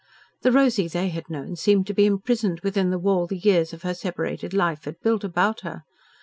The Rosy they had known seemed to be imprisoned within the wall the years of her separated life had built about her.